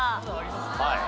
はい。